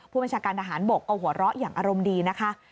ผู้บัญชาการทหารบกก็หัวเราะอย่างอารมณ์ดีนะคะ